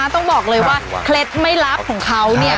ต้องบอกเลยว่าเคล็ดไม่ลับของเขา